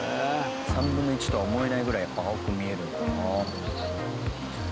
３分の１とは思えないぐらいやっぱ青く見えるんだよな。